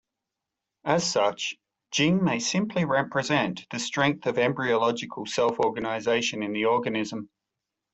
As such, Jing may simply represent the strength of embryological self-organisation in the organism.